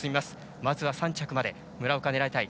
まずは３着まで村岡、狙いたい。